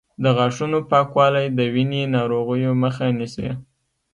د غاښونو پاکوالی د وینې ناروغیو مخه نیسي.